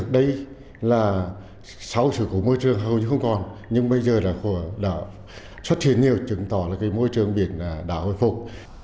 đấy là sáu sự của môi trường hầu như không còn nhưng bây giờ đã xuất hiện nhiều chứng tỏ môi trường biển đã hồi phục